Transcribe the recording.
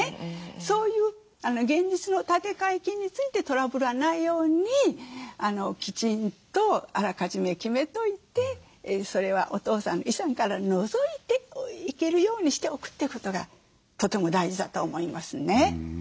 そういう現実の立て替え金についてトラブらないようにきちんとあらかじめ決めといてそれはお父さんの遺産から除いていけるようにしておくということがとても大事だと思いますね。